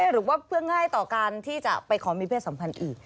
หรือว่าเพื่อง่ายต่อการที่จะไปขอมีเพศสัมพันธ์อีก